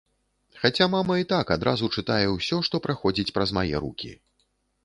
Хаця мама і так адразу чытае ўсё, што праходзіць праз мае рукі.